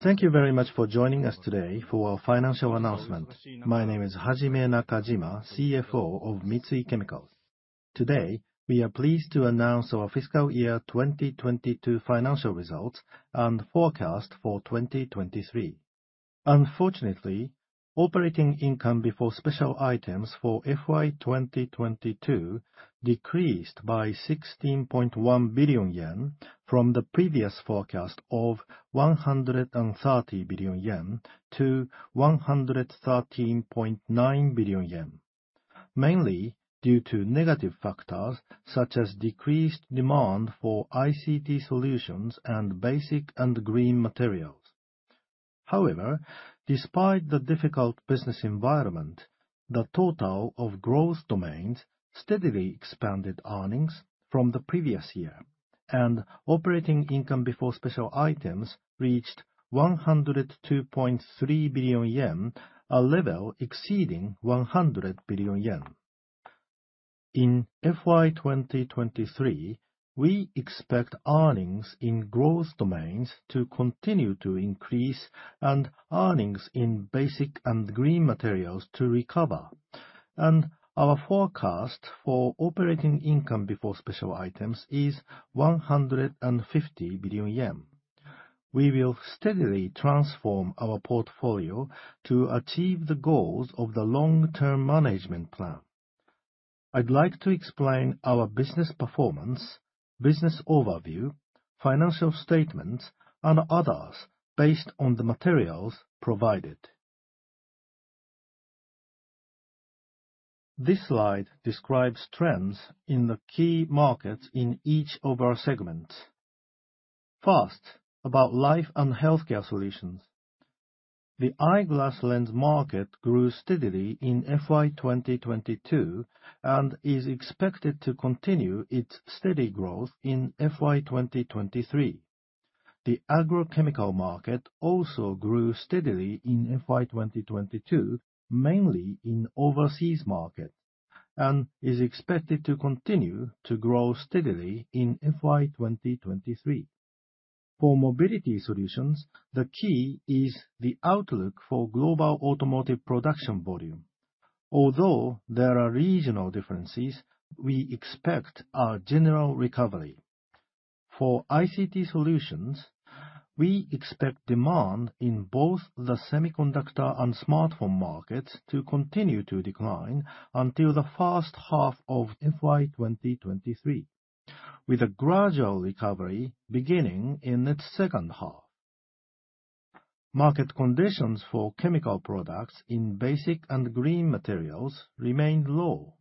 Thank you very much for joining us today for our financial announcement. My name is Hajime Nakajima, CFO of Mitsui Chemicals. Today, we are pleased to announce our fiscal 2022 financial results and forecast for 2023. Unfortunately, operating income before special items for FY 2022 decreased by 16.1 billion yen from the previous forecast of 130 billion yen to 113.9 billion yen, mainly due to negative factors such as decreased demand for ICT Solutions and Basic & Green Materials. However, despite the difficult business environment, the total of growth domains steadily expanded earnings from the previous year, and operating income before special items reached 102.3 billion yen, a level exceeding 100 billion yen. In FY 2023, we expect earnings in growth domains to continue to increase and earnings in Basic & Green Materials to recover. Our forecast for operating income before special items is 150 billion yen. We will steadily transform our portfolio to achieve the goals of the long-term management plan. I'd like to explain our business performance, business overview, financial statements, and others based on the materials provided. This slide describes trends in the key markets in each of our segments. First, about Life & Healthcare Solutions. The eyeglass lens market grew steadily in FY 2022 and is expected to continue its steady growth in FY 2023. The agrochemical market also grew steadily in FY 2022, mainly in overseas markets, and is expected to continue to grow steadily in FY 2023. For Mobility Solutions, the key is the outlook for global automotive production volume. Although there are regional differences, we expect a general recovery. For ICT Solutions, we expect demand in both the semiconductor and smartphone markets to continue to decline until the first half of FY 2023, with a gradual recovery beginning in its second half. Market conditions for chemical products in Basic & Green Materials remained low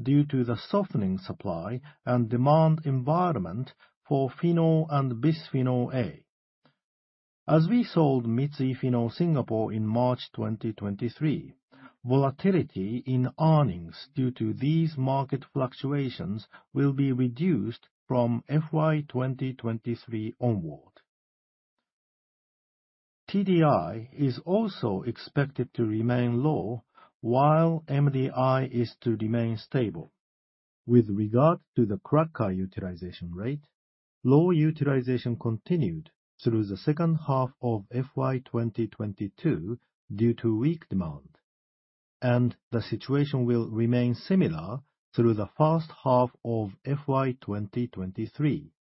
due to the softening supply and demand environment for phenol and bisphenol A. As we sold Mitsui Phenols Singapore in March 2023, volatility in earnings due to these market fluctuations will be reduced from FY 2023 onward. TDI is also expected to remain low, while MDI is to remain stable. With regard to the cracker utilization rate, low utilization continued through the second half of FY 2022 due to weak demand, and the situation will remain similar through the first half of FY 2023.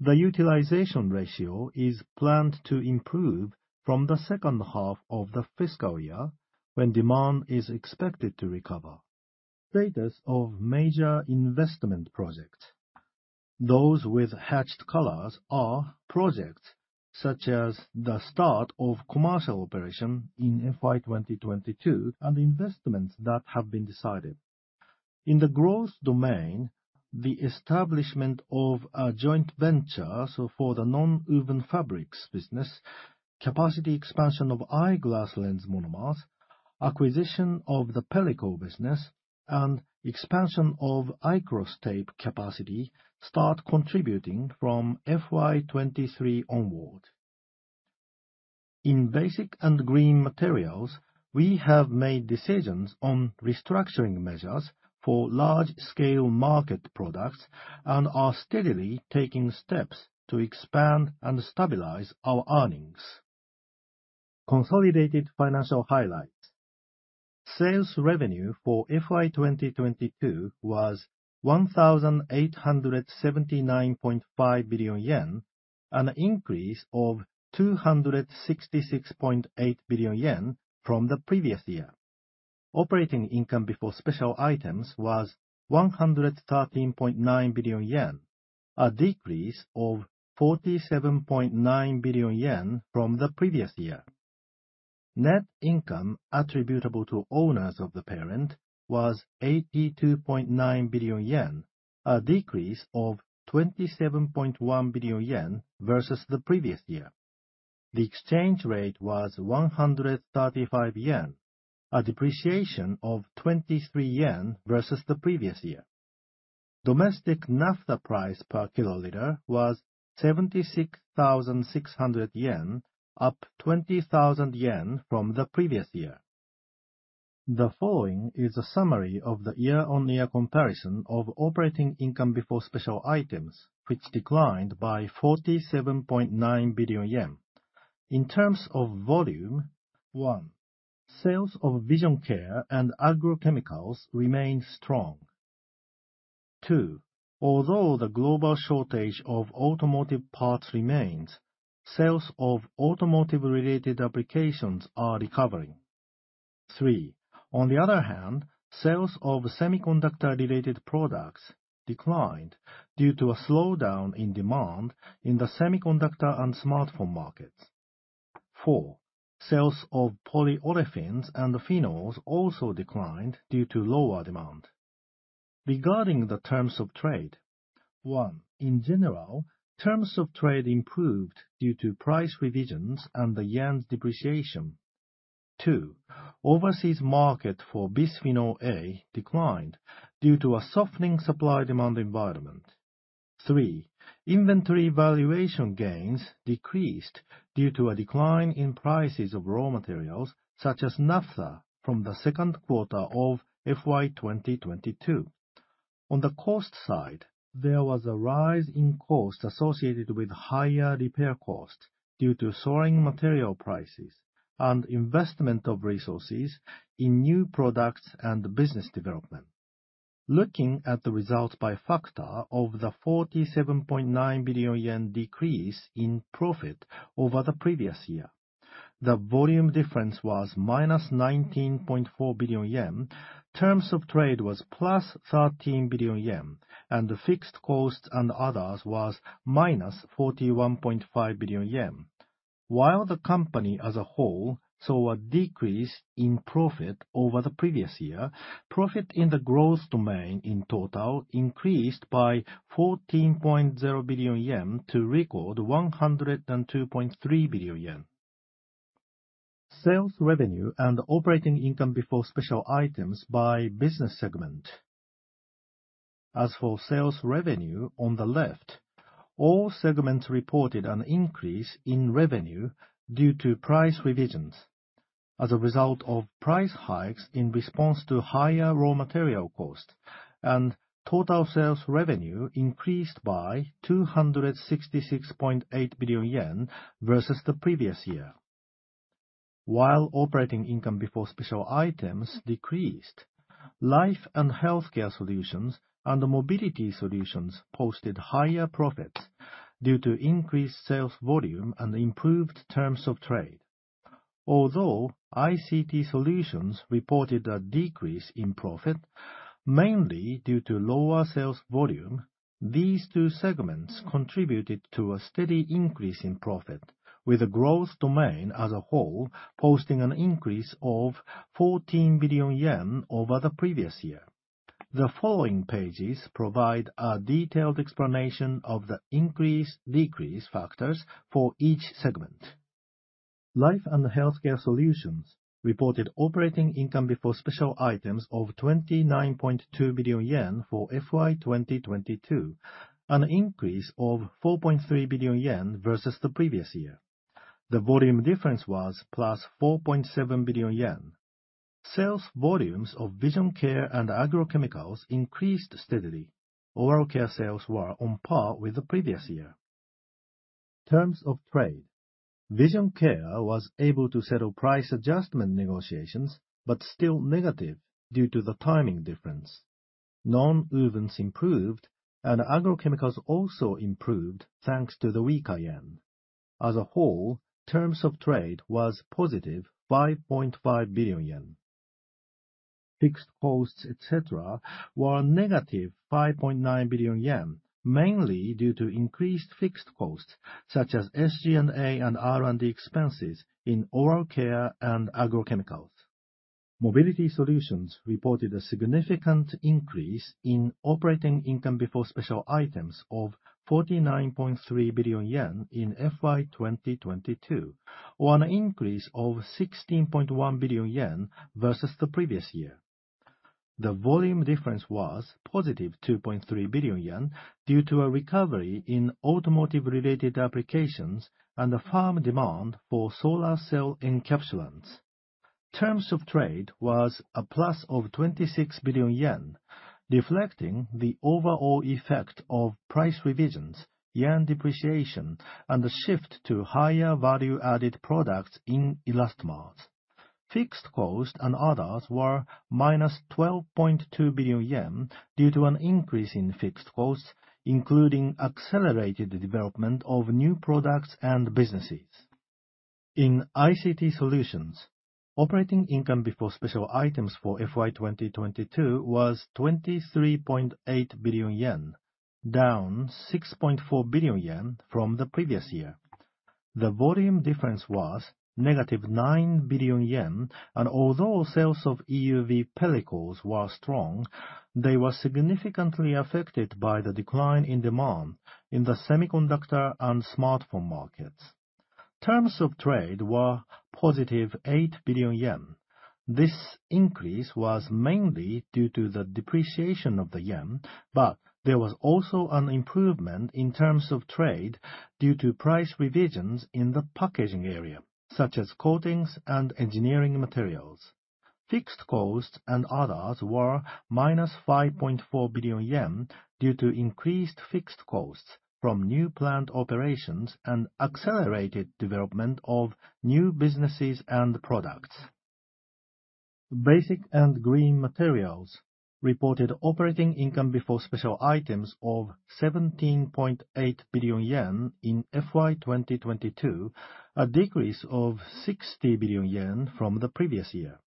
The utilization ratio is planned to improve from the second half of the fiscal year when demand is expected to recover. Status of major investment projects. Those with hatched colors are projects such as the start of commercial operation in FY 2022 and investments that have been decided. In the growth domain, the establishment of a joint venture, so for the nonwoven fabrics business, capacity expansion of eyeglass lens monomers, acquisition of the Pellicle business, and expansion of ICROS Tape capacity start contributing from FY 2023 onward. In Basic & Green Materials, we have made decisions on restructuring measures for large-scale market products and are steadily taking steps to expand and stabilize our earnings. Consolidated financial highlights. Sales revenue for FY 2022 was 1,879.5 billion yen, an increase of 266.8 billion yen from the previous year. Operating income before special items was 113.9 billion yen, a decrease of 47.9 billion yen from the previous year. Net income attributable to owners of the parent was 82.9 billion yen, a decrease of 27.1 billion yen versus the previous year. The exchange rate was 135 yen, a depreciation of 23 yen versus the previous year. Domestic naphtha price per kiloliter was 76,600 yen, up 20,000 yen from the previous year. The following is a summary of the year-on-year comparison of operating income before special items, which declined by 47.9 billion yen. In terms of volume, 1, sales of vision care and agrochemicals remained strong. 2, although the global shortage of automotive parts remains, sales of automotive-related applications are recovering. 3, on the other hand, sales of semiconductor-related products declined due to a slowdown in demand in the semiconductor and smartphone markets. 4, sales of polyolefins and phenols also declined due to lower demand. Regarding the terms of trade, 1, in general, terms of trade improved due to price revisions and the yen's depreciation. 2, overseas market for bisphenol A declined due to a softening supply/demand environment.3, inventory valuation gains decreased due to a decline in prices of raw materials such as naphtha from the second quarter of FY 2022. On the cost side, there was a rise in cost associated with higher repair costs due to soaring material prices and investment of resources in new products and business development. Looking at the results by factor of the 47.9 billion yen decrease in profit over the previous year. The volume difference was minus 19.4 billion yen, terms of trade was plus 13 billion yen, and the fixed costs and others was minus 41.5 billion yen. While the company as a whole saw a decrease in profit over the previous year, profit in the growth domain in total increased by 14.0 billion yen to record 102.3 billion yen. Sales revenue and operating income before special items by business segment. As for sales revenue on the left, all segments reported an increase in revenue due to price revisions as a result of price hikes in response to higher raw material costs, total sales revenue increased by 266.8 billion yen versus the previous year. While operating income before special items decreased, Life & Healthcare Solutions and Mobility Solutions posted higher profits due to increased sales volume and improved terms of trade. Although ICT Solutions reported a decrease in profit, mainly due to lower sales volume, these two segments contributed to a steady increase in profit, with the growth domain as a whole posting an increase of 14 billion yen over the previous year. The following pages provide a detailed explanation of the increase, decrease factors for each segment. Life & Healthcare Solutions reported operating income before special items of 29.2 billion yen for FY 2022, an increase of 4.3 billion yen versus the previous year. The volume difference was +4.7 billion yen. Sales volumes of vision care and agrochemicals increased steadily. Oral care sales were on par with the previous year. Terms of trade. Vision care was able to settle price adjustment negotiations, but still negative due to the timing difference. Nonwovens improved, and agrochemicals also improved thanks to the weaker yen. As a whole, terms of trade was +5.5 billion yen. Fixed costs, et cetera, were -5.9 billion yen, mainly due to increased fixed costs such as SG&A and R&D expenses in oral care and agrochemicals. Mobility Solutions reported a significant increase in operating income before special items of 49.3 billion yen in FY 2022, or an increase of 16.1 billion yen versus the previous year. The volume difference was positive 2.3 billion yen due to a recovery in automotive-related applications and a firm demand for solar cell encapsulants. Terms of trade was a plus of 26 billion yen, reflecting the overall effect of price revisions, yen depreciation, and the shift to higher value-added products in elastomers. Fixed cost and others were minus 12.2 billion yen due to an increase in fixed costs, including accelerated development of new products and businesses. In ICT Solutions, operating income before special items for FY 2022 was 23.8 billion yen, down 6.4 billion yen from the previous year. The volume difference was minus 9 billion yen. Although sales of EUV pellicles were strong, they were significantly affected by the decline in demand in the semiconductor and smartphone markets. Terms of trade were plus 8 billion yen. This increase was mainly due to the depreciation of the yen, but there was also an improvement in terms of trade due to price revisions in the packaging area, such as coatings and engineering materials. Fixed costs and others were minus 5.4 billion yen due to increased fixed costs from new plant operations and accelerated development of new businesses and products. Basic & Green Materials reported operating income before special items of 17.8 billion yen in FY 2022, a decrease of 60 billion yen from the previous year.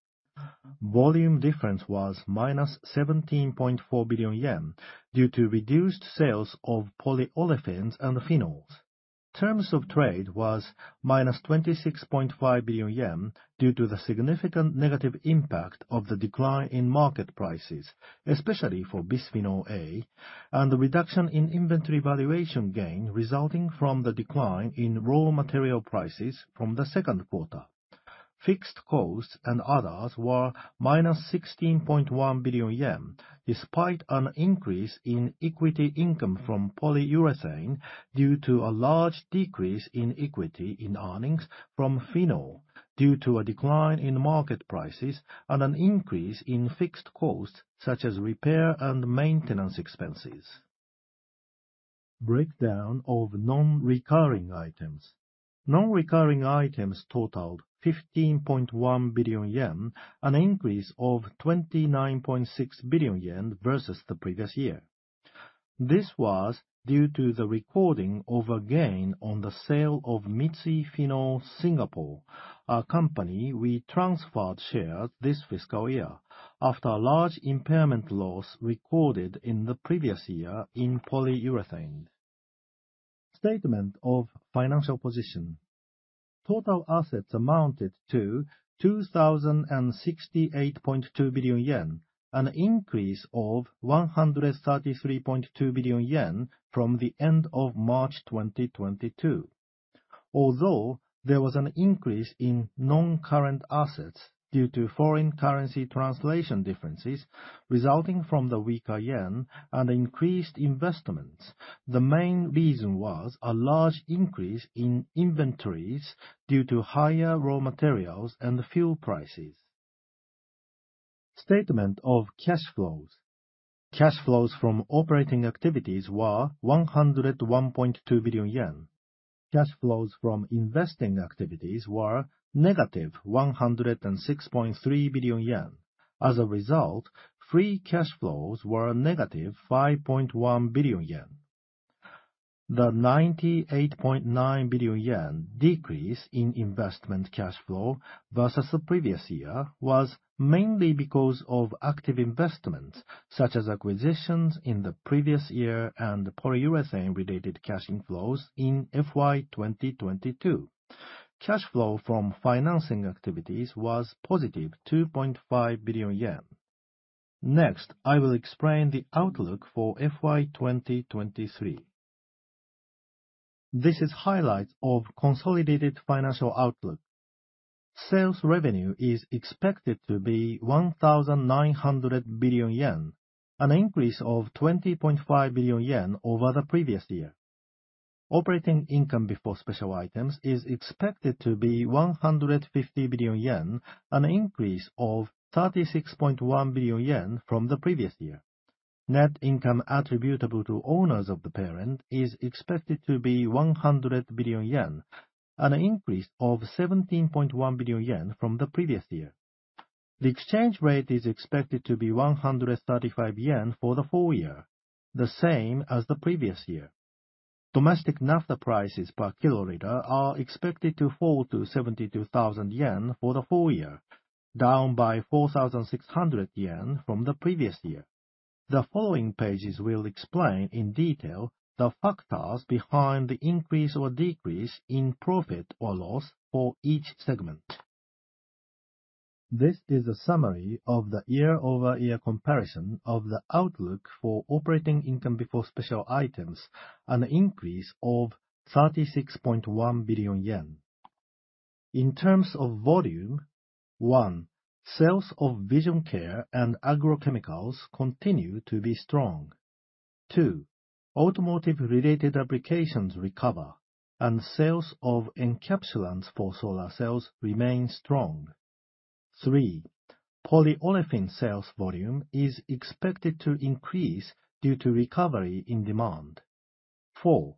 Volume difference was minus 17.4 billion yen due to reduced sales of polyolefins and phenols. Terms of trade was minus 26.5 billion yen due to the significant negative impact of the decline in market prices, especially for bisphenol A, and the reduction in inventory valuation gain resulting from the decline in raw material prices from the second quarter. Fixed costs and others were minus 16.1 billion yen, despite an increase in equity income from polyurethane due to a large decrease in equity in earnings from phenol due to a decline in market prices and an increase in fixed costs such as repair and maintenance expenses. Breakdown of non-recurring items. Non-recurring items totaled 15.1 billion yen, an increase of 29.6 billion yen versus the previous year. This was due to the recording of a gain on the sale of Mitsui Phenols Singapore, a company we transferred shares this fiscal year after a large impairment loss recorded in the previous year in polyurethane. Statement of financial position. Total assets amounted to 2,068.2 billion yen, an increase of 133.2 billion yen from the end of March 2022. There was an increase in non-current assets due to foreign currency translation differences resulting from the weaker yen and increased investments, the main reason was a large increase in inventories due to higher raw materials and fuel prices. Statement of cash flows. Cash flows from operating activities were 101.2 billion yen. Cash flows from investing activities were negative 106.3 billion yen. As a result, free cash flows were negative 5.1 billion yen. The 98.9 billion yen decrease in investment cash flow versus the previous year was mainly because of active investments, such as acquisitions in the previous year and polyurethane-related cash inflows in FY 2022. Cash flow from financing activities was positive 2.5 billion yen. Next, I will explain the outlook for FY 2023. This is highlights of consolidated financial outlook. Sales revenue is expected to be 1,900 billion yen, an increase of 20.5 billion yen over the previous year. Operating income before special items is expected to be 150 billion yen, an increase of 36.1 billion yen from the previous year. Net income attributable to owners of the parent is expected to be 100 billion yen, an increase of 17.1 billion yen from the previous year. The exchange rate is expected to be 135 yen for the full year, the same as the previous year. Domestic naphtha prices per kiloliter are expected to fall to 72,000 yen for the full year, down by 4,600 yen from the previous year. The following pages will explain in detail the factors behind the increase or decrease in profit or loss for each segment. This is a summary of the year-over-year comparison of the outlook for operating income before special items, an increase of 36.1 billion yen. In terms of volume, one, sales of vision care and agrochemicals continue to be strong. Two, automotive-related applications recover, and sales of solar cell encapsulants remain strong. Three, polyolefins sales volume is expected to increase due to recovery in demand. Four,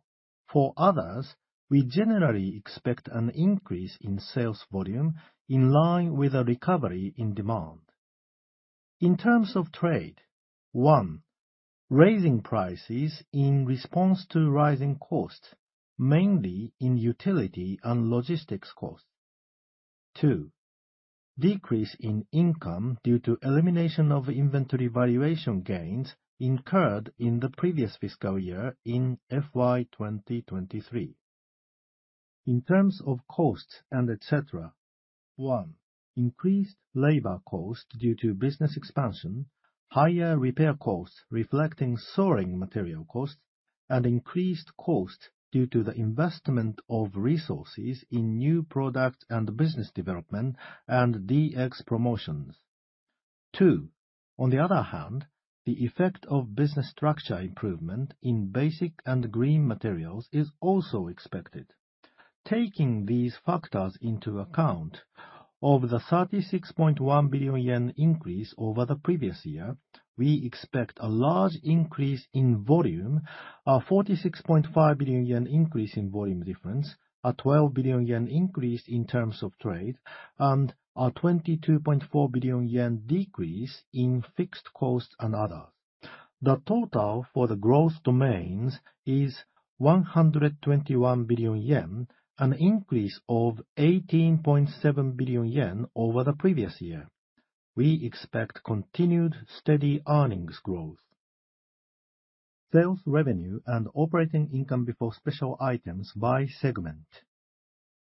for others, we generally expect an increase in sales volume in line with a recovery in demand. In terms of trade, one, raising prices in response to rising costs, mainly in utility and logistics costs. Two, decrease in income due to elimination of inventory valuation gains incurred in the previous fiscal year in FY 2023. In terms of costs and etcetera, One, increased labor cost due to business expansion, higher repair costs reflecting soaring material costs, Increased costs due to the investment of resources in new product and business development and DX promotions. Two, on the other hand, the effect of business structure improvement in Basic & Green Materials is also expected. Taking these factors into account, of the 36.1 billion yen increase over the previous year, we expect a large increase in volume, a 46.5 billion yen increase in volume difference, a 12 billion yen increase in terms of trade, and a 22.4 billion yen decrease in fixed costs and others. The total for the growth domains is 121 billion yen, an increase of 18.7 billion yen over the previous year. We expect continued steady earnings growth. Sales revenue and operating income before special items by segment.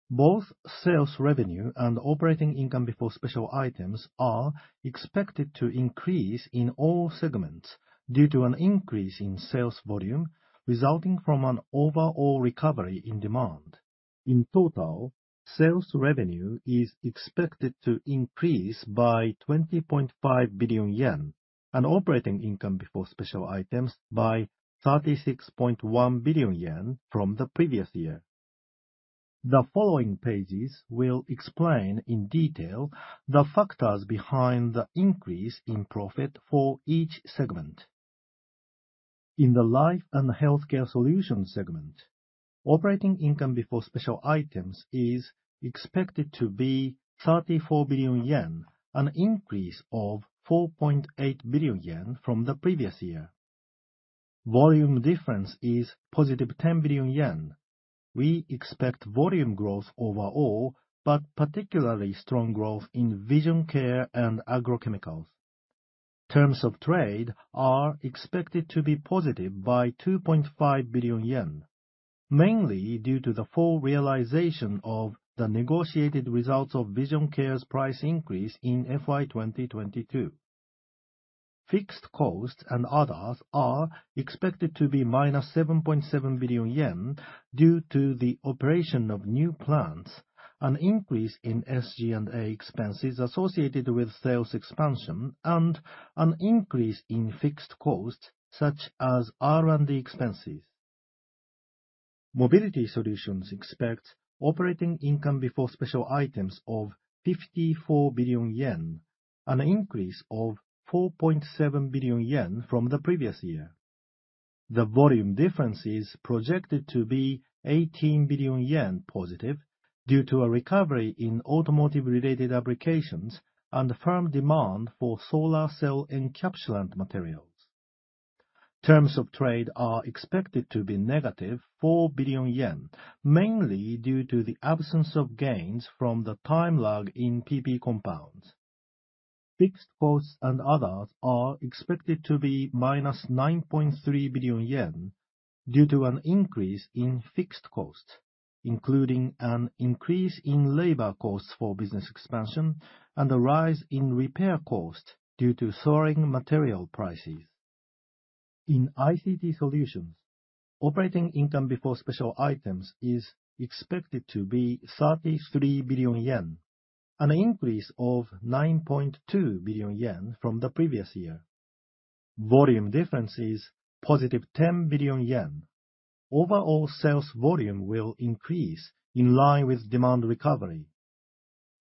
Both sales revenue and operating income before special items are expected to increase in all segments due to an increase in sales volume resulting from an overall recovery in demand. In total, sales revenue is expected to increase by 20.5 billion yen, an operating income before special items by 36.1 billion yen from the previous year. The following pages will explain in detail the factors behind the increase in profit for each segment. In the Life & Healthcare Solutions segment, operating income before special items is expected to be 34 billion yen, an increase of 4.8 billion yen from the previous year. Volume difference is positive 10 billion yen. We expect volume growth overall, but particularly strong growth in vision care and agrochemicals. Terms of trade are expected to be +2.5 billion yen, mainly due to the full realization of the negotiated results of Vision Care's price increase in FY 2022. Fixed costs and others are expected to be -7.7 billion yen due to the operation of new plants, an increase in SG&A expenses associated with sales expansion, and an increase in fixed costs such as R&D expenses. Mobility Solutions expects operating income before special items of 54 billion yen, an increase of 4.7 billion yen from the previous year. The volume difference is projected to be +18 billion yen due to a recovery in automotive related applications and firm demand for solar cell encapsulant materials. Terms of trade are expected to be -4 billion yen, mainly due to the absence of gains from the time lag in PP compounds. Fixed costs and others are expected to be -9.3 billion yen due to an increase in fixed costs, including an increase in labor costs for business expansion and a rise in repair costs due to soaring material prices. In ICT Solutions, operating income before special items is expected to be 33 billion yen, an increase of 9.2 billion yen from the previous year. Volume difference is positive 10 billion yen. Overall sales volume will increase in line with demand recovery.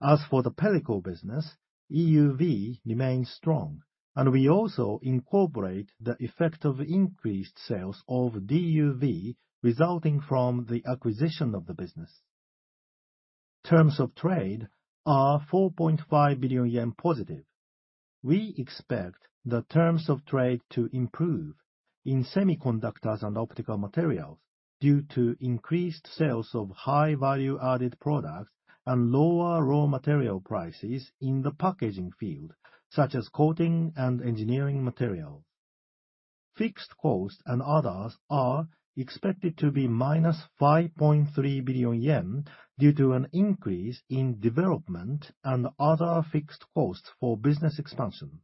As for the Pellicle business, EUV remains strong, and we also incorporate the effect of increased sales of DUV resulting from the acquisition of the business. Terms of trade are 4.5 billion yen positive. We expect the terms of trade to improve in semiconductors and optical materials due to increased sales of high value-added products and lower raw material prices in the packaging field, such as coating and engineering material. Fixed costs and others are expected to be -5.3 billion yen due to an increase in development and other fixed costs for business expansion.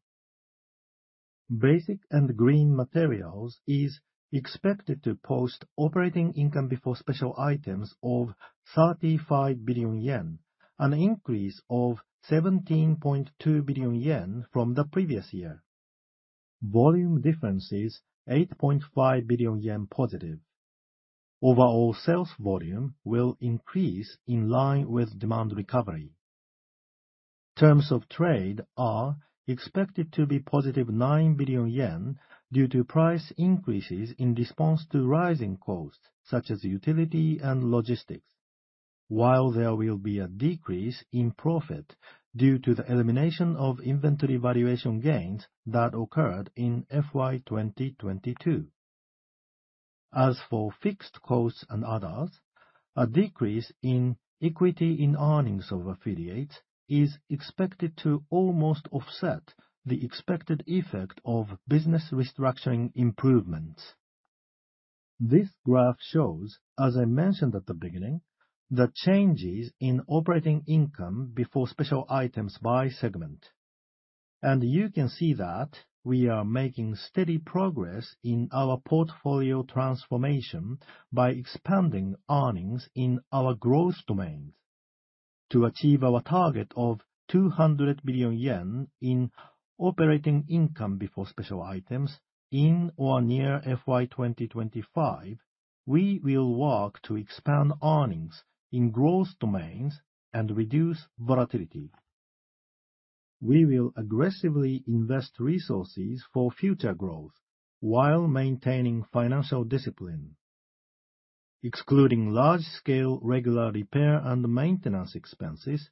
Basic & Green Materials is expected to post operating income before special items of 35 billion yen, an increase of 17.2 billion yen from the previous year. Volume difference is +8.5 billion yen. Overall sales volume will increase in line with demand recovery. Terms of trade are expected to be +9 billion yen due to price increases in response to rising costs such as utility and logistics. While there will be a decrease in profit due to the elimination of inventory valuation gains that occurred in FY 2022. As for fixed costs and others, a decrease in equity in earnings of affiliates is expected to almost offset the expected effect of business restructuring improvements. This graph shows, as I mentioned at the beginning, the changes in operating income before special items by segment. You can see that we are making steady progress in our portfolio transformation by expanding earnings in our growth domains. To achieve our target of 200 billion yen in operating income before special items in or near FY 2025, we will work to expand earnings in growth domains and reduce volatility. We will aggressively invest resources for future growth while maintaining financial discipline. Excluding large-scale regular repair and maintenance expenses,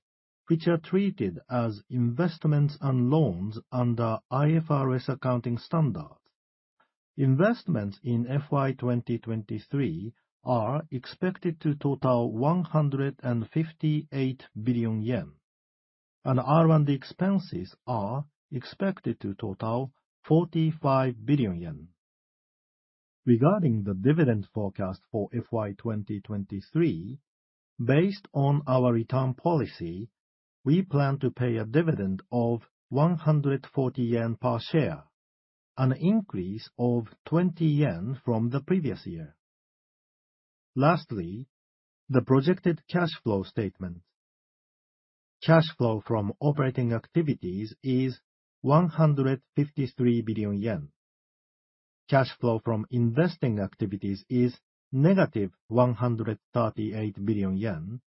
which are treated as investments and loans under IFRS accounting standards, investments in FY 2023 are expected to total 158 billion yen. R&D expenses are expected to total 45 billion yen. Regarding the dividend forecast for FY 2023, based on our return policy, we plan to pay a dividend of 140 yen per share, an increase of 20 yen from the previous year. Lastly, the projected cash flow statement. Cash flow from operating activities is 153 billion yen. Cash flow from investing activities is -138 billion yen.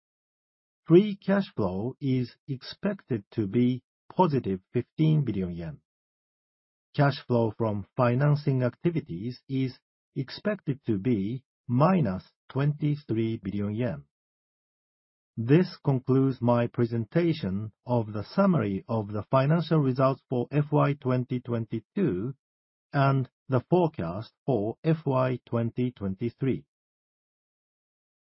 Free cash flow is expected to be +15 billion yen. Cash flow from financing activities is expected to be -23 billion yen. This concludes my presentation of the summary of the financial results for FY 2022 and the forecast for FY 2023.